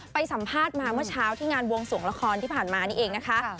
ไปสัมภาษณ์มาเมื่อเช้าที่งานวงสวงละครที่ผ่านมานี่เองนะคะ